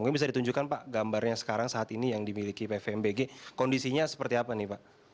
mungkin bisa ditunjukkan pak gambarnya sekarang saat ini yang dimiliki pvmbg kondisinya seperti apa nih pak